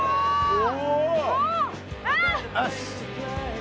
お！